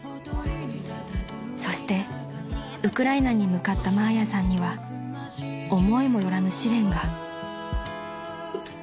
［そしてウクライナに向かったマーヤさんには思いも寄らぬ試練が］